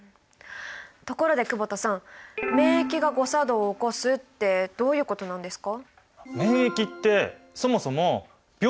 ところで久保田さん免疫が誤作動を起こすってどういうことなんですか？